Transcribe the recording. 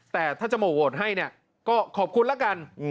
แต่ถ้าจะหม่อโหดให้ก็ขอบคุณละกัน